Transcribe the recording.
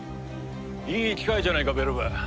いい機会じゃないかベロバ。